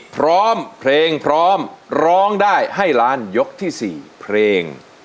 พร้อมเพลงพร้อมร้องได้ให้ล้านยกที่๔เพลง